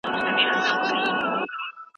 ایا ته غواړې چي موضوع بدله کړي؟